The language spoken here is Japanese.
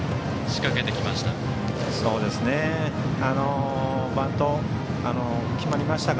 仕掛けてきました。